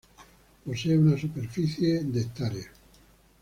Posee una superficie de ha.